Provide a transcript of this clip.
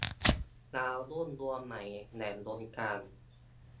ดาวรุ่งดวงใหม่แห่งวงการ